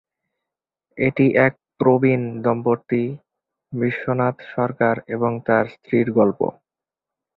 এটি এক প্রবীণ দম্পতি বিশ্বনাথ সরকার এবং তাঁর স্ত্রীর গল্প।